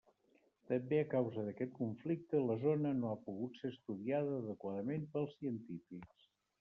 També a causa d'aquest conflicte la zona no ha pogut ser estudiada adequadament pels científics.